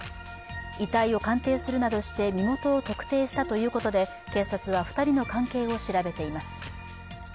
遺体を鑑定するなどして身元を特定したということで警察は２人の関係を調べています。